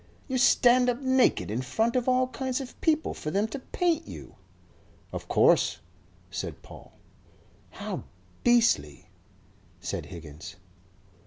"You stand up naked in front of all kinds of people for them to paint you?" "Of course," said Paul. "How beastly!" said Higgins.